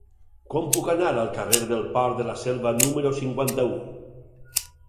Com puc anar al carrer del Port de la Selva número cinquanta-u?